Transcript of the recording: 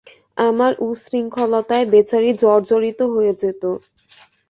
আমার উচ্ছঙ্খলতায় বেচারী জর্জরিত হয়ে যেত।